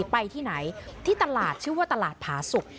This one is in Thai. ไปที่ไหนที่ตลาดชื่อว่าตลาดผาสุก